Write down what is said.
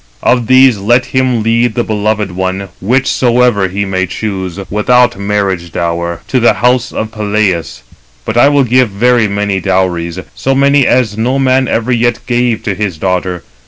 Of these let him lead the beloved one, whichsoever he may choose, without marriage dower, to the house of Peleus; but I will give very many dowries, so many as no man ever yet gave to his daughter.